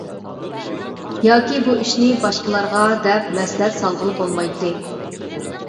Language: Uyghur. ياكى بۇ ئىشنى باشقىلارغا دەپ مەسلىھەت سالغىلى بولمايتتى.